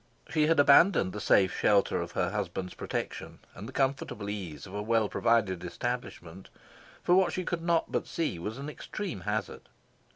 She had abandoned the safe shelter of her husband's protection and the comfortable ease of a well provided establishment for what she could not but see was an extreme hazard.